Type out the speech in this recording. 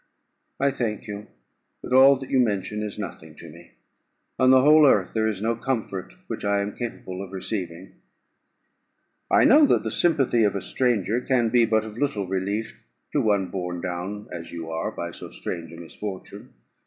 "I thank you; but all that you mention is nothing to me: on the whole earth there is no comfort which I am capable of receiving." "I know that the sympathy of a stranger can be but of little relief to one borne down as you are by so strange a misfortune.